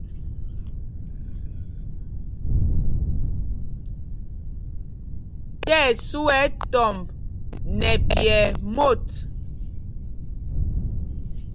Tí ɛsu ɛ tɔmb nɛ pyɛɛ mot.